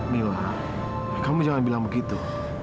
mila kamu jangan bilang begitu